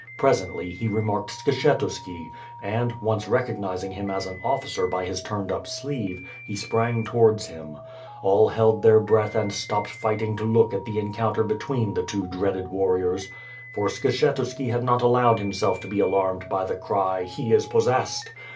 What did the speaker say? Presently, he remarked Skshetuski and, once recognizing him as an officer by his turned up sleeve, he sprang towards him. All held their breath and stopped fighting to look at the encounter between the two dreaded warriors. For Skshetuski had not allowed himself to be alarmed by the cry "Pie is possessed!"